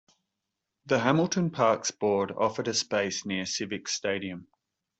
The Hamilton Parks Board offered a space near Civic Stadium.